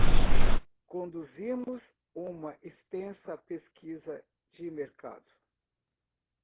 Conduzimos uma extensa pesquisa de mercado.